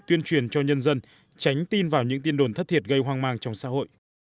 tuyên truyền cho nhân dân tránh tin vào những tin đồn thất thiệt gây hoang mang trong xã hội